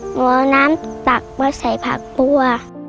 หมอเอาน้ำตักมาใส่ผักครัว